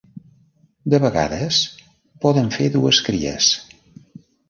De vegades poden fer dues cries.